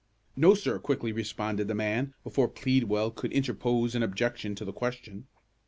"No, sir!" quickly responded the man, before Pleadwell could interpose an objection to the question.